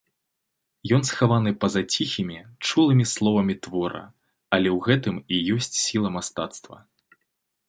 Ён схаваны па-за ціхімі, чулымі словамі твора, але ў гэтым і ёсць сіла мастацтва.